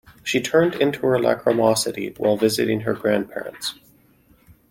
She turned into her lachrymosity while visiting her grandparents.